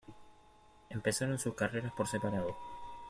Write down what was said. Empezaron sus carreras por separado.